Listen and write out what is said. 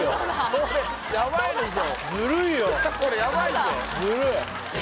これやばいでしょ